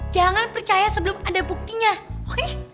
jangan percaya sebelum ada buktinya oke